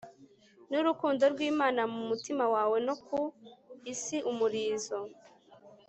n'urukundo rw'imana mu mutima wawe no ku isi umurizo